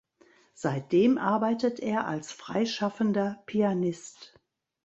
Seitdem arbeitet er als freischaffender Pianist.